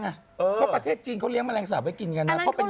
เพราะประเทศจีนเขาเลี้ยแมลงสาปไว้กินกันนะ